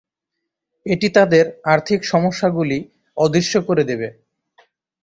এটি তাদের আর্থিক সমস্যাগুলি অদৃশ্য করে দেবে।